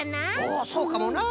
おそうかもな！